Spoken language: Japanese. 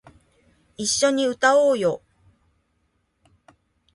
一緒に歌おうよ